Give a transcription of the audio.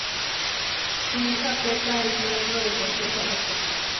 Su hija Petra es miembro de Consejo Nacional.